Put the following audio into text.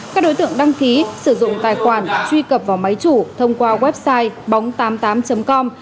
các đối tượng đăng ký sử dụng tài khoản truy cập vào máy chủ thông qua website bóng tám mươi tám com